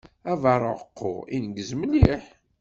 Abeṛṛeεqu ineggez mliḥ.